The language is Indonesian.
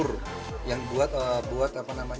ada yang namanya program program kur